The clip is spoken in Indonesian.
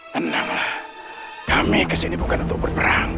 tendanglah kami kesini bukan untuk berperang